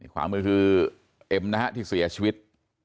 ขวามือคือเอ็มนะฮะที่เสียชีวิต